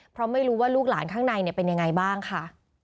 เพราะไม่รู้ว่าลูกหลานข้างในเป็นยังไงบ้างค่ะ